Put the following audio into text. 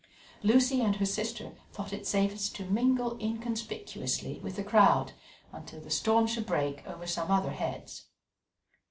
Lucy and her sister thought it safest to mingle inconspicuously with the crowd until the storm should break over some other heads.